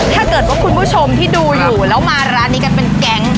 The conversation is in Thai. ถ้าเกิดว่าคุณผู้ชมที่ดูอยู่แล้วมาร้านนี้กันเป็นแก๊ง